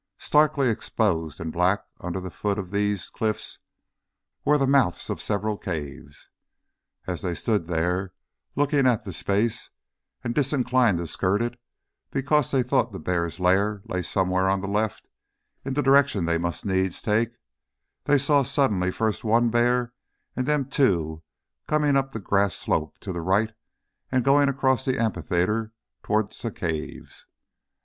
Starkly exposed and black under the foot of these cliffs were the mouths of several caves. And as they stood there, looking at the space, and disinclined to skirt it, because they thought the bears' lair lay somewhere on the left in the direction they must needs take, they saw suddenly first one bear and then two coming up the grass slope to the right and going across the amphitheatre towards the caves.